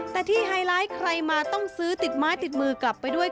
แต่ที่ไฮไลท์ใครมาต้องซื้อติดไม้ติดมือกลับไปด้วย